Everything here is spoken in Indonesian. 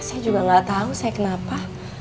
saya juga gak tau saya kenapa